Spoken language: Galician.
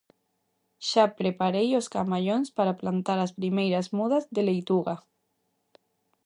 Xa preparei os camallóns para plantar as primeiras mudas de leituga